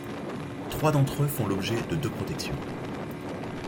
Trois d'entre eux font l'objet de deux protections.